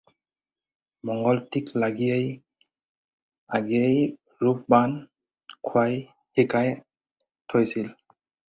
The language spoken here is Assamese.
মংগলতীক লাগীয়ে আগেয়েই ৰূপ-বান খুৱাই শিকাই থৈছিল।